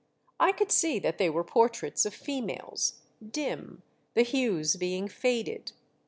I could see that they were portraits of females, dim, the hues being faded.